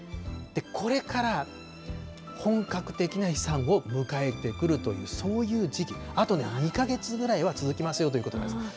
これから本格的な飛散を迎えてくるという、そういう時期、あとね、２か月ぐらいは続きますよということです。